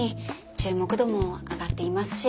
注目度も上がっていますし。